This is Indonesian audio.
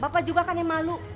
bapak juga kan yang malu